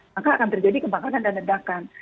maka akan terjadi kebakaran dan ledakan